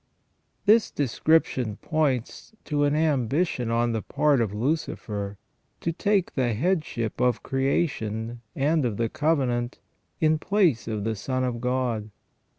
This description points to an ambition on the part of Lucifer to take the headship of creation, and of the Covenant, in place of the Son of God.